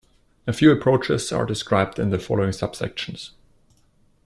A few approaches are described in the following subsections.